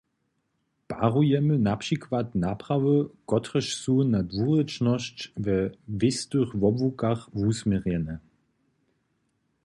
Parujemy na přikład naprawy, kotrež su na dwurěčnosć we wěstych wobłukach wusměrjene.